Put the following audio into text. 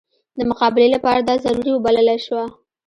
د مقابلې لپاره دا ضروري وبلله شوه.